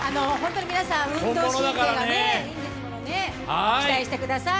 皆さん運動神経がいいんですもんね、期待してください。